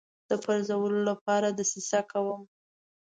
د پرزولو لپاره دسیسه کوم.